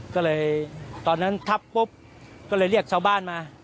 ก็เลยตอนนั้นทับปุ๊บก็เลยเรียกชาวบ้านมา